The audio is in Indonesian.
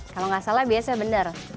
kalau gak salah biasanya benar